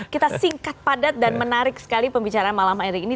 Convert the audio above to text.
kita singkat padat dan menarik sekali pembicaraan malam hari ini